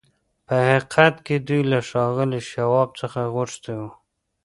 په حقيقت کې دوی له ښاغلي شواب څخه غوښتي وو.